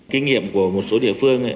kinh nghiệm của một số địa phương